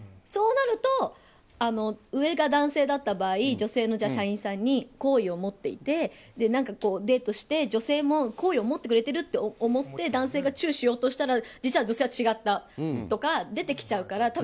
そうなると、上が男性だった場合女性の社員さんに好意を持っていて何かデートして女性も好意を持ってくれてると思って男性がチューしようとしたら実は女性は違ったとか出てきちゃうから。